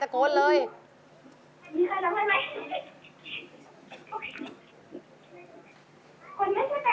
จะพูดนะคะ